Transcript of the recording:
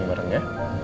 kita bekerja ya